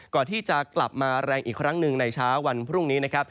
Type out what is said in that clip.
ก่อนที่จะกลับมาแรงอีกครั้งหนึ่งในเช้าวันพรุ่งนี้นะครับ